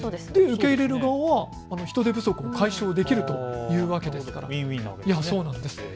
受け入れる側は人手不足も解消できるというわけですからウィンウィンですね。